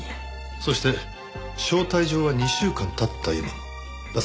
そして招待状は２週間経った今も出されていない。